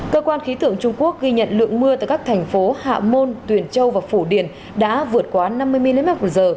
cơ quan khí tưởng trung quốc ghi nhận lượng mưa tại các thành phố hạ môn tuyển châu và phủ điển đã vượt qua năm mươi mmh